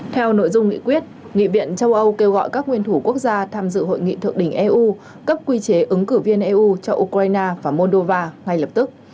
theo nội dung nghị quyết nghị viện châu âu kêu gọi các nguyên thủ quốc gia tham dự hội nghị thượng đỉnh eu cấp quy chế ứng cử viên eu cho ukraine và moldova ngay lập tức